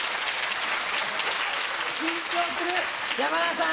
山田さん！